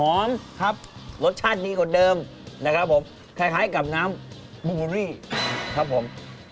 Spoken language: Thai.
หอมครับรสชาติดีกว่าเดิมนะครับผมคล้ายกับน้ำครับผม